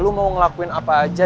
lu mau ngelakuin apa aja